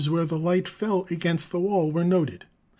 where the light fell against the wall were noted.